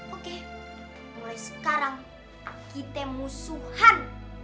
oke mulai sekarang kita musuhan